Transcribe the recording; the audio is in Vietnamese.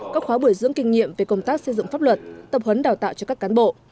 các khóa buổi dưỡng kinh nghiệm về công tác xây dựng pháp luật tập huấn đào tạo cho các cán bộ